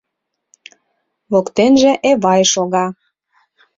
Воктенже Эвай шога.